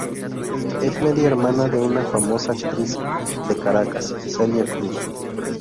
Es media hermana de una famosa actriz de Caracas, Celia Cruz.